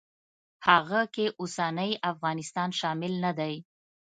هغه کې اوسنی افغانستان شامل نه دی.